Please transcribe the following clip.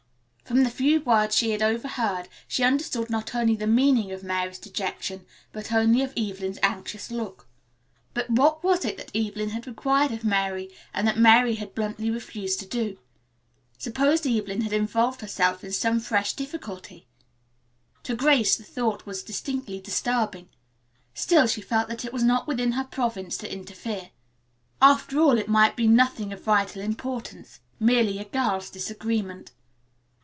From the few words she had overheard she understood not only the meaning of Mary's dejection, but also of Evelyn's anxious look. But what was it that Evelyn had required of Mary and that Mary had bluntly refused to do? Suppose Evelyn had involved herself in some fresh difficulty. To Grace the thought was distinctly disturbing. Still she felt that it was not within her province to interfere. After all it might be nothing of vital importance, merely a girls' disagreement.